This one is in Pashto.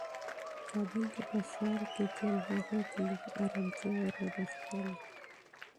کابل ته په خیال کې تلل هغې ته لږ ارامتیا وربښله.